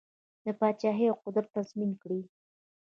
دا پاچهي او قدرت تضمین کړي.